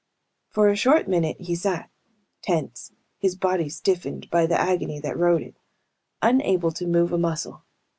For a short minute he sat, tense, his body stiffened by the agony that rode it unable to move a muscle.